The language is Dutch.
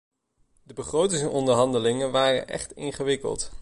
De begrotingsonderhandelingen waren echt ingewikkeld.